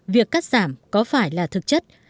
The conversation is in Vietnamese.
việc cắt giảm có phải là thực chất